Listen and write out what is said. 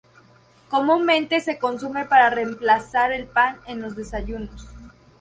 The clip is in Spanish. Comúnmente se consume para reemplazar el pan en los desayunos.